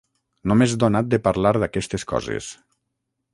No m'és donat de parlar d'aquestes coses.